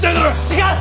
違う！